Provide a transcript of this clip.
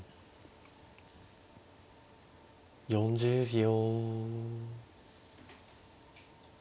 ４０秒。